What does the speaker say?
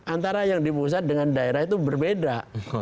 antara yang di pusat dengan daerah itu berbeda